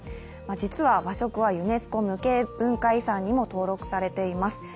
実は和食はユネスコ無形文化遺産にも登録されています。